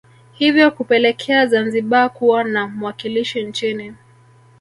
Hivyo kupelekea Zanzibar kuwa na mwakilishi nchini